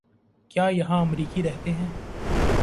کیا یہاں امریکی رہتے ہیں؟